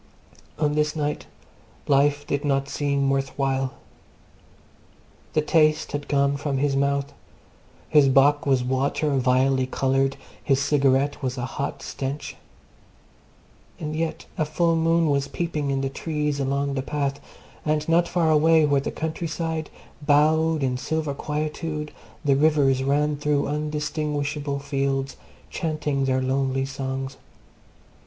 On this night life did not seem worth while. The taste had gone from his mouth; his bock was water vilely coloured; his cigarette was a hot stench. And yet a full moon was peeping in the trees along the path, and not far away, where the countryside bowed in silver quietude, the rivers ran through undistinguishable fields chanting their lonely songs.